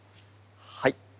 はい。